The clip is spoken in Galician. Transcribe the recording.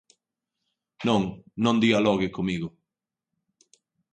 Non, non dialogue comigo.